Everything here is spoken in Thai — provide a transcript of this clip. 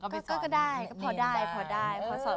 ก็เลยภาษาเราก็คล่อง